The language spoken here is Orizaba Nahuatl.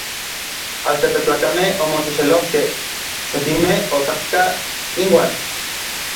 Altepetlakamej omoxexelojkej: sekimej okatkaj inuan.